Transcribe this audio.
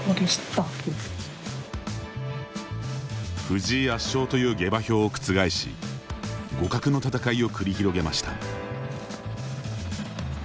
藤井圧勝という下馬評を覆し互角の戦いを繰り広げました。